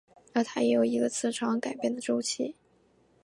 而它也有一个磁场改变的周期。